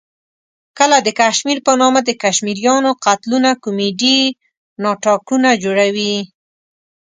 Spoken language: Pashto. کله د کشمیر په نامه د کشمیریانو قتلونه کومیډي ناټکونه جوړوي.